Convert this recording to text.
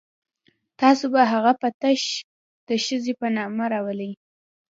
تاسو به هغه په تش د ښځې په نامه راولئ.